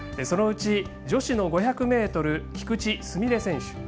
そのうち、女子の５００ｍ菊池純礼選手。